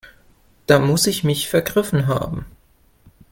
Da muss ich mich vergriffen haben.